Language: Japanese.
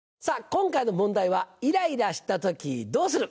今回の問題は「イライラした時どうする？」。